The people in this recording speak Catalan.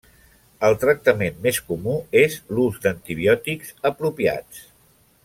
El tractament més comú és l'ús d'antibiòtics apropiats.